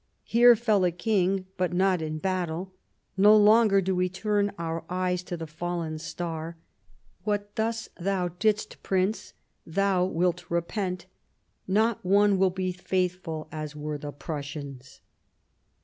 Here fell a king, but not in battle. No longer do we turn our eyes To the fallen star. What thus thou didst. Prince, thou wilt repent. Not one will be faithful as were the Prussians."